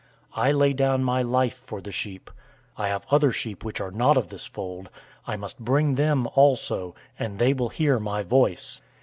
I lay down my life for the sheep. 010:016 I have other sheep, which are not of this fold.{Isaiah 56:8} I must bring them also, and they will hear my voice.